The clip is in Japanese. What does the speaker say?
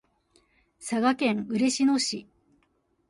佐賀県嬉野市